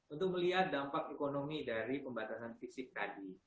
untuk melihat dampak ekonomi dari pembatasan fisik tadi